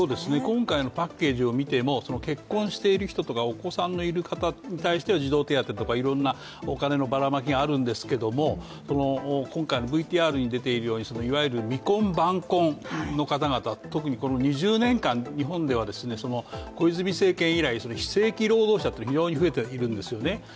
今回のパッケージを見ても、結婚している人とかお子さんのいる方に対しては児童手当とか、いろんなお金のばらまきがあるんですけれども、今回のＶＴＲに出ているようにいわゆる未婚、晩婚の方々、特に２０年間、日本では小泉政権以来非正規労働者って非常に増えているんですね。